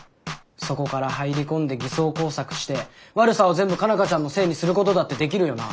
そこから入り込んで偽装工作して悪さを全部佳奈花ちゃんのせいにすることだってできるよな。